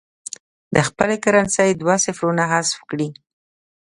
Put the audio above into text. د خپلې کرنسۍ دوه صفرونه حذف کړي.